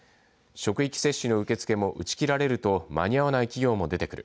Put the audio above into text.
職域接種の受け付けも打ち切られると間に合わない企業も出てくる。